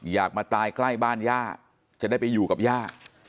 อยากมาตายใกล้บ้านย่าจะได้ไปอยู่กับย่า